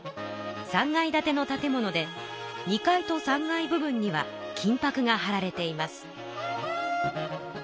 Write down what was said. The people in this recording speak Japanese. ３階建ての建物で２階と３階部分には金ぱくがはられています。